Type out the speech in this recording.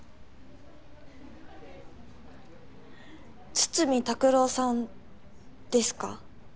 筒見拓郎さんですか？